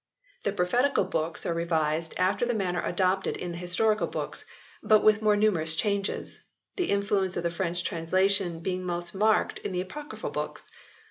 The Prophetical Books are revised after the manner adopted in the Historical Books, but with more numerous changes ; the in fluence of the French translation being most marked in the Apocryphal Books.